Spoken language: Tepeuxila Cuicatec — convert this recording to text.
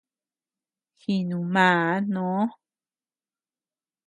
Jinu màà noo.